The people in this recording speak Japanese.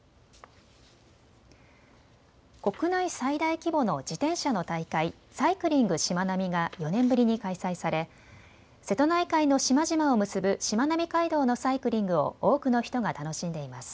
国内最大規模の自転車の大会、サイクリングしまなみが４年ぶりに開催され瀬戸内海の島々を結ぶしまなみ海道のサイクリングを多くの人が楽しんでいます。